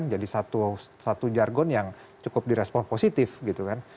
jadi satu jargon yang cukup direspon positif gitu kan